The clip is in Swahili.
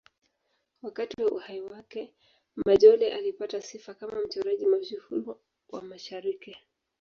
Wakati wa uhai wake, Majolle alipata sifa kama mchoraji mashuhuri wa Mashariki.